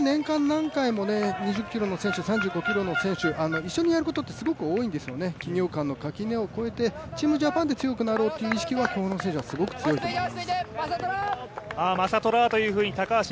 合宿を年間何キロも２０ｋｍの選手、一緒にやることってすごく多いんですよね、距離感の垣根を越えてチームジャパンで強くなろうという思いはこの選手はすごく強いと思います。